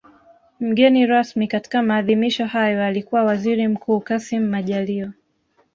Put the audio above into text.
Mgeni rasmi katika maadhimisho hayo alikuwa Waziri Mkuu Kassim Majaliwa